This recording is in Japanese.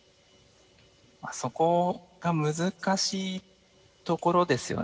そこが難しいところですよね。